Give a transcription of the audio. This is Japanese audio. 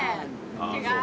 違う？